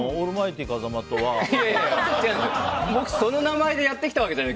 いやいや、僕その名前でやってきたわけじゃない。